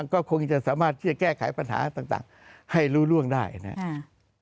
ก็คงจะสามารถที่จะแก้ไขปัญหาต่างให้รู้ร่วงได้นะครับ